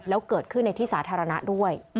แล้วเกิดขึ้นในที่สาธารณะด้วย